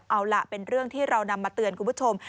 เอาล่ะเป็นเรื่องที่เรานำมาเตือนคุณผู้ชม